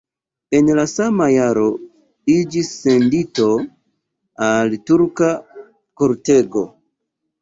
En la sama jaro iĝis sendito al turka kortego.